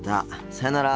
さよなら。